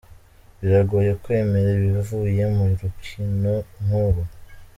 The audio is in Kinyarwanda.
Biragoye kwemera ibivuye mu rukino nk’uru.